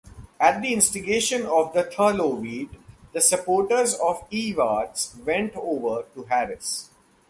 At the instigation of Thurlow Weed, the supporters of Evarts went over to Harris.